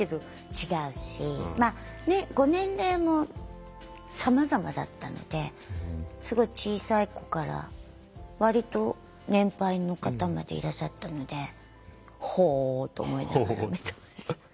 違うしご年齢もさまざまだったのですごい小さい子から割と年配の方までいらっしゃったので「ほ」と思いながら見てました。